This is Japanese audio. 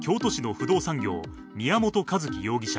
不動産業宮本一希容疑者